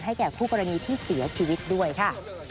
แก่คู่กรณีที่เสียชีวิตด้วยค่ะ